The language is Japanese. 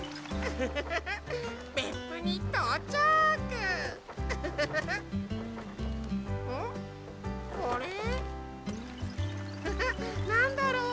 フフッなんだろう？